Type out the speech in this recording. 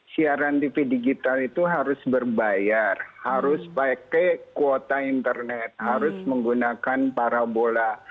siaran tv digital itu harus berbayar harus pakai kuota internet harus menggunakan parabola